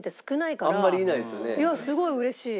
いやすごいうれしい。